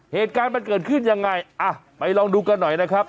เหตุการณ์มันเกิดขึ้นยังไงอ่ะไปลองดูกันหน่อยนะครับ